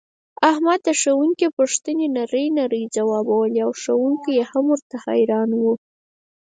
احمد د ښوونکي پوښتنې نرۍ نرۍ ځواوبولې ښوونکی یې هم ورته حیران پاتې و.